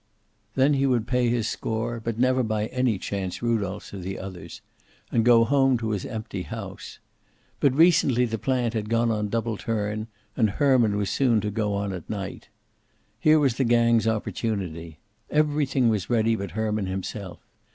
Then he would pay his score, but never by any chance Rudolph's or the others, and go home to his empty house. But recently the plant had gone on double turn, and Herman was soon to go on at night. Here was the gang's opportunity. Everything was ready but Herman himself.